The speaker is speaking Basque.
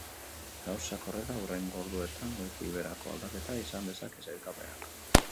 Gauzak horrela, hurrengo orduetan goitik beherako aldaketa izan dezake sailkapenak.